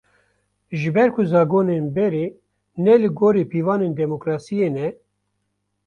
Ji ber ku zagonên berê, ne li gorî pîvanên demokrasiyê ne